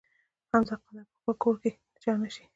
حمزه قدر په خپل کور کې د چا نه شي.